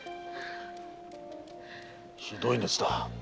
ひどい熱だ。